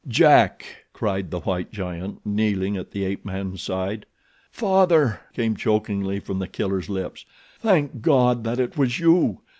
"Jack!" cried the white giant, kneeling at the ape man's side. "Father!" came chokingly from The Killer's lips. "Thank God that it was you.